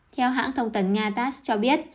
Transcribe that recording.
theo hãng thông tấn nga tass cho biết